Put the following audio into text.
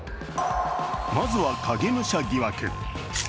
まずは影武者疑惑。